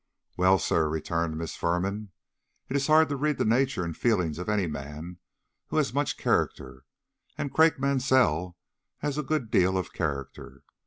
"Well, sir," returned Miss Firman, "it is hard to read the nature and feelings of any man who has much character, and Craik Mansell has a good deal of character.